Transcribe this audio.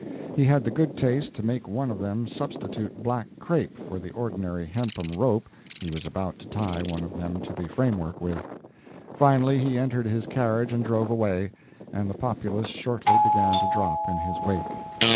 He had the good taste to make one of them substitute black crape for the ordinary hempen rope he was about to tie one of them to the framework with. Finally he entered his carriage and drove away, and the populace shortly began to drop in his wake.